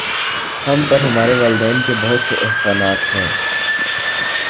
ہم پر ہمارے والدین کے بہت سے احسانات ہیں